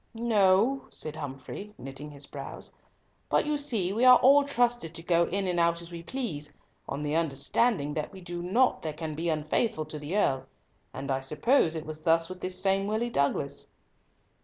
"No," said Humfrey, knitting his brows, "but you see we are all trusted to go in and out as we please, on the understanding that we do nought that can be unfaithful to the Earl; and I suppose it was thus with this same Willie Douglas."